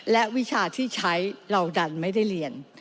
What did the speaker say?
และวิชาที่ใช้เราดันไม่ได้เรียน